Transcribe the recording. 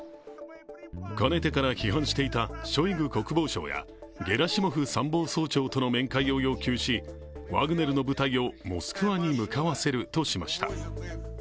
かねてから批判していたショイグ国防相やゲラシモフ参謀総長との面会を要求し、ワグネルの部隊をモスクワに向かわせるとしました。